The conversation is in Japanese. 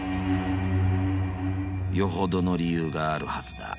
［よほどの理由があるはずだ］